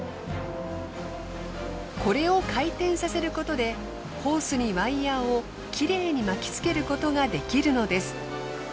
これを回転させることでホースにワイヤーをきれいに巻きつけることができるのです。